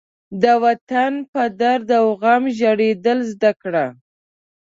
د وطن په درد و غم ژړېدل زده کړه.